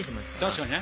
確かにね。